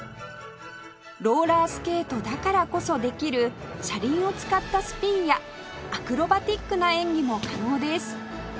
ローラースケートだからこそできる車輪を使ったスピンやアクロバティックな演技も可能です